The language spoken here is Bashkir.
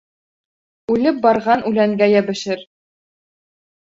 Үлеп барған үләнгә йәбешер.